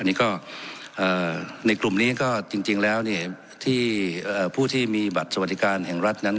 นี่ก็ในกลุ่มนี้ก็จริงแล้วที่ผู้ที่มีบัตรสวัสดิการแห่งรัฐนั้น